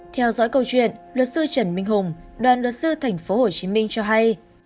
theo dõi câu chuyện luật sư trần minh hùng đoàn luật sư tp hcm cho hay